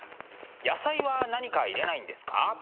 野菜は何か入れないんですか？